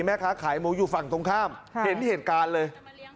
แม่ค้าขายหมูอยู่ฝั่งตรงข้ามเห็นเหตุการณ์เลย